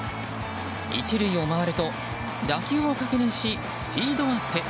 １塁を回ると打球を確認しスピードアップ。